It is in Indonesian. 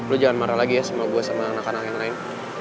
lu jangan marah lagi ya sama gue sama anak anak yang lain